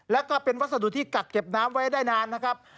แล้วก็เป็นวัสดุที่กักเก็บน้ำไว้ได้นานนะครับ